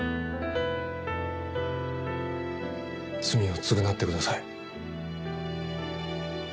罪を償ってください。